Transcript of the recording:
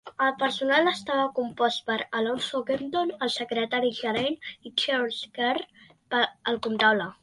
El personal estava compost per Alonzo Kempton, el secretari gerent, i Charles Kerr, el comptable.